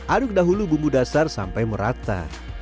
aduk dahulu bumbu dasar sampai merata